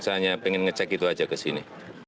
saya hanya pengen ngecek itu aja ke sini